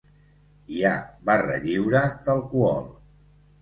Hi ha barra lliure d'alcohol.